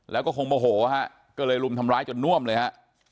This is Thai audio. แล้วก็คงโมโหฮะก็เลยรุมทำร้ายจนน่วมเลยฮะ